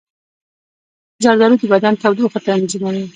زردالو د بدن تودوخه تنظیموي.